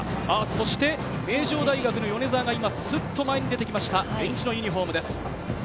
そして名城大学の米澤が今、スッと前に出てきました、エンジのユニホームです。